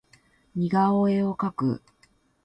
似顔絵を描く